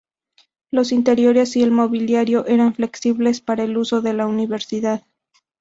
Los interiores y el mobiliario eran flexibles para el uso de la universidad.